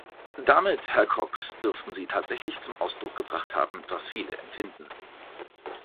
Damit, Herr Cox, dürften Sie tatsächlich zum Ausdruck gebracht haben, was viele empfinden.